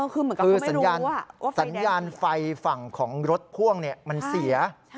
คือสัญญาณไฟฝั่งของรถพ่วงมันเสีย